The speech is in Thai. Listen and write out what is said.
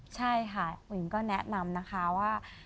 ใช่ค่ะอุ๋ยก็แนะนำนะคะว่า